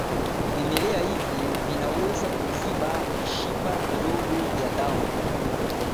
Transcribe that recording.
vimelea hivi vinaweza kuziba mishipa midogo ya damu